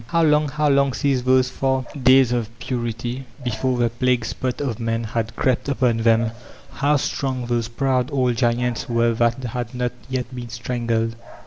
How long, how long since those far days of purity, before the plague spot of Man had crept Qpoo them I How strong those proud old giants were tibat lad not yet been strangled